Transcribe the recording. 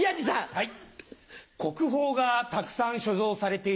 はい。